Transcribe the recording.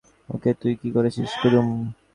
ওকে তুই কী করেছিস কুমুদ?